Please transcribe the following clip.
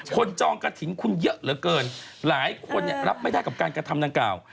คนจ้องกาถิ่นคุณเยอะเหลือเกินหลายคนเนี่ยรับไม่ได้กลางกระทำนางกล่าว